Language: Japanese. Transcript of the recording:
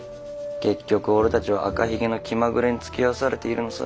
結局俺たちは赤ひげの気まぐれにつきあわされているのさ。